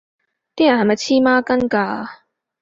啲人係咪黐孖筋㗎